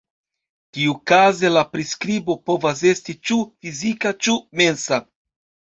Tiukaze la priskribo povas esti ĉu fizika ĉu mensa.